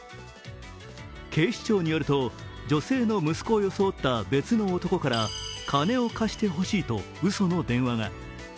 警視庁によると、女性の息子を装った別の男から金を貸してほしいとうその電話が。